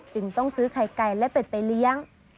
จึงต้องซื้อไข่ไก่และเป็ดไปเลี้ยง